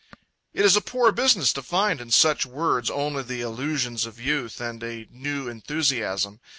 It is a poor business to find in such words only the illusions of youth and a new enthusiasm.